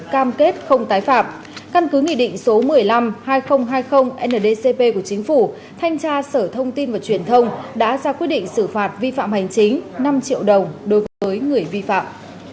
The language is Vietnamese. cam kết không tái phạm căn cứ nghị định số một mươi năm hai nghìn hai mươi ndcp của chính phủ thanh tra sở thông tin và truyền thông đã ra quyết định xử phạt vi phạm hành chính năm triệu đồng đối với người vi phạm